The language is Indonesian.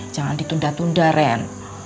jangan ditunda tunda ren